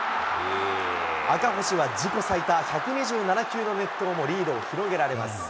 赤星は自己最多１２７球の熱投も、リードを広げられます。